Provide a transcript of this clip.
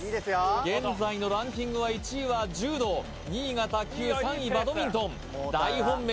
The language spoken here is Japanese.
現在のランキングは１位は柔道２位が卓球３位バドミントン大本命